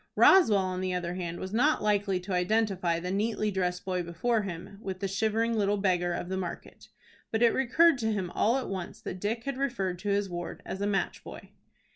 Roswell, on the other hand, was not likely to identify the neatly dressed boy before him with the shivering little beggar of the market. But it recurred to him all at once that Dick had referred to his ward as a match boy.